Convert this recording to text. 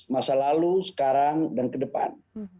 masa lalu sekarang dan ke depan